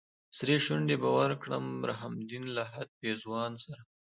سرې شونډې به ورکړم رحم الدين لهد پېزوان سره